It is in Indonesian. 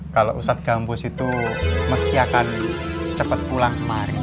kalau ustadz gambus itu mesti akan cepat pulang kemari